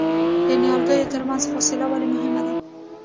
د نیالګیو ترمنځ فاصله ولې مهمه ده؟